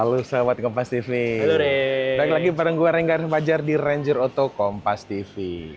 halo selamat kompas tv dan lagi bareng gua renggar sumpahjar di ranger auto kompas tv